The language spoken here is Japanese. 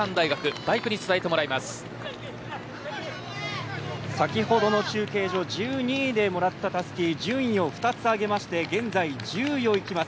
バイクリポートに先ほどの中継所１２位でもらったたすき順位を２つ上げまして現在１０位をいきます。